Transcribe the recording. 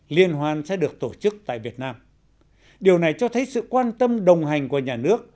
liên hoan sẽ được tổ chức tại việt nam điều này cho thấy sự quan tâm đồng hành của nhà nước